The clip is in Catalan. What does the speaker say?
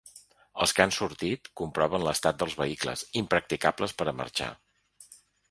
Els que han sortit, comproven l’estat dels vehicles, impracticables per a marxar.